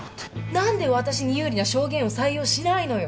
何で私に有利な証言を採用しないのよ